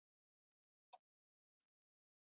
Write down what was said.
پنځه ډوله محصولات راټولول.